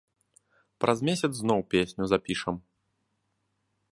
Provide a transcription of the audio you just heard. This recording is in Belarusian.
Праз месяц зноў песню запішам.